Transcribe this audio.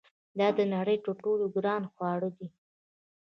دا د نړۍ تر ټولو ګران خواړه دي.